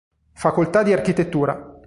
Facoltà di architettura.